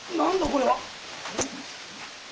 これは。